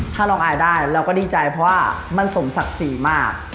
ถ้าเราอายได้เราก็ดีใจเพราะว่ามันสมศักดิ์ศรีมาก